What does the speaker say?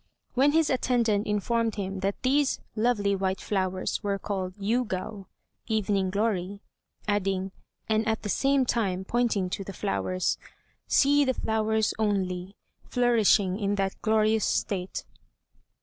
When his attendant informed him that these lovely white flowers were called "Yûgao" (evening glory), adding, and at the same time pointing to the flowers, "See the flowers only, flourishing in that glorious state."